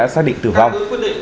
xác định tử vong